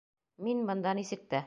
Мин бында нисек тә...